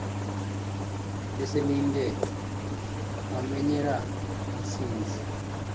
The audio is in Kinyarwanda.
mbese ni nde wamenyera insinzi